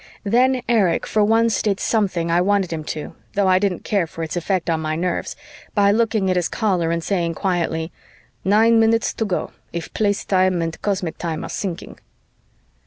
Then Erich for once did something I wanted him to, though I didn't care for its effect on my nerves, by looking at his Caller and saying quietly, "Nine minutes to go, if Place time and cosmic time are synching."